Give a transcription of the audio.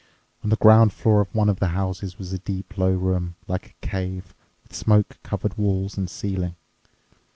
On the ground floor of one of the houses was a deep, low room, like a cave, with smoke covered walls and ceiling.